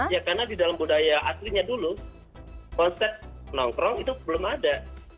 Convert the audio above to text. ya karena di dalam budaya aslinya dulu konsep nongkrong itu belum ada